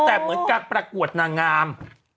แต่เหมือนการประกวดนางงาม